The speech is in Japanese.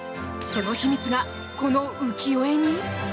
その秘密が、この浮世絵に？